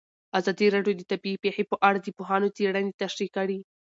ازادي راډیو د طبیعي پېښې په اړه د پوهانو څېړنې تشریح کړې.